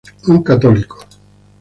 Un católico.